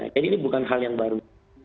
jadi ini bukan hal yang baru